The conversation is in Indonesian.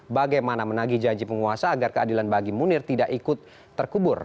bagaimana menagi janji penguasa agar keadilan bagi munir tidak ikut terkubur